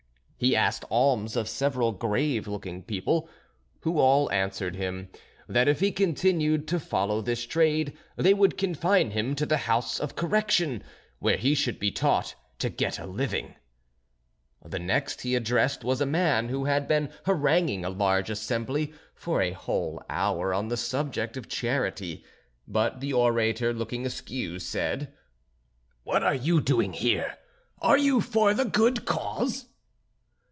He asked alms of several grave looking people, who all answered him, that if he continued to follow this trade they would confine him to the house of correction, where he should be taught to get a living. The next he addressed was a man who had been haranguing a large assembly for a whole hour on the subject of charity. But the orator, looking askew, said: "What are you doing here? Are you for the good cause?"